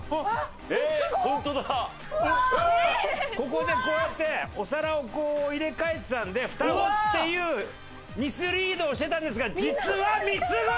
ここでこうやってお皿をこう入れ替えてたので双子っていうミスリードをしてたんですが実は三つ子！